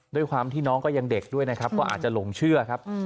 ด้วยความที่น้องก็ยังเด็กด้วยนะครับก็อาจจะหลงเชื่อครับ